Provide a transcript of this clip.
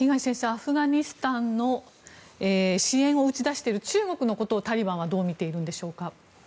アフガニスタンの支援を打ち出している中国のことをタリバンはどう見ているんでしょうか。